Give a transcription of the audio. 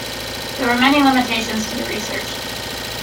There were many limitations to the research.